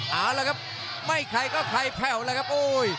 เอาละครับไม่ไขก็ไข่แผ่วเลยครับโอ้ย